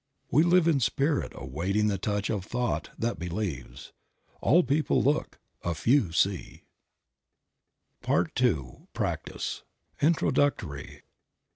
We live in Spirit awaiting the touch of thought that believes. All people look, a few see. Creative Mind. 35 PART II. PRACTICE. INTRODUCTORY.